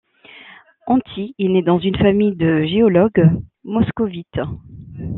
Anti est né dans une famille de géologues moscovites.